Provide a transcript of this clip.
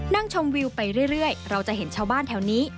ชมวิวไปเรื่อยเราจะเห็นชาวบ้านแถวนี้